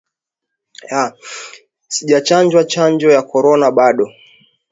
Sijachanjwa chanjo ya korona bado